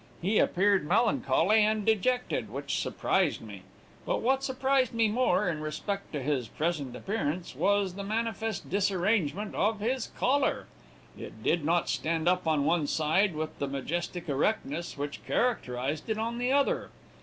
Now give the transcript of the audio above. He appeared melancholy and dejected, which surprised me; but what surprised me more, in respect to his present appearance, was the manifest disarrangement of his collar. It did not stand up on one side with the majestic erectness which characterized it on the other.